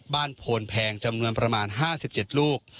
โพนแพงจำนวนประมาณ๕๗ลูก